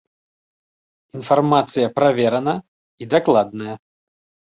Інфармацыя праверана і дакладная.